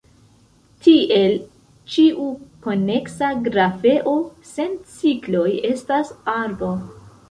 Tiel, ĉiu koneksa grafeo sen cikloj estas arbo.